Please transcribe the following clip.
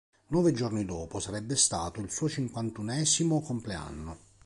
Nove giorni dopo sarebbe stato il suo cinquantunesimo compleanno.